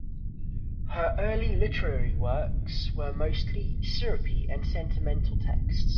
Her early literary works were mostly syrupy and sentimental texts.